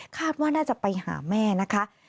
คาดว่าน่าจะไปหาแม่นะคะ